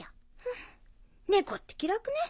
フン猫って気楽ね。